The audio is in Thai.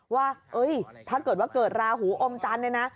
ว่าถ้าเกิดว่าเกิดราหูอมจันทร์เนี่ยนะ